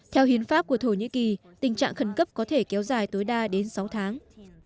theo hiến pháp của thổ nhĩ kỳ tình trạng khẩn cấp có thể kéo dài tối đa đến sáu tháng